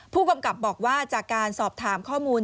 ผู้กำกับบอกว่าจากการสอบถามข้อมูล